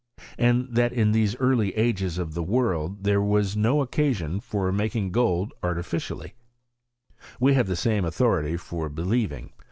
And that in these early ages of the world there was no occasion for making gold arti ficially, we have the same authority for believing.